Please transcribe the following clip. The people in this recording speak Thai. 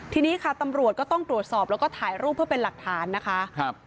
ทีนี้ค่ะตำรวจก็ต้องตรวจสอบแล้วก็ถ่ายรูปเพื่อเป็นหลักฐานนะคะ